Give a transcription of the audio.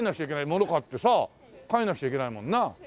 物買ってさ帰らなくちゃいけないもんな。